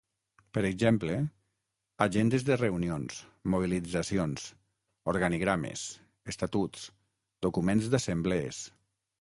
Per exemple, ‘agendes de reunions, mobilitzacions, organigrames, estatuts, documents d’assemblees’.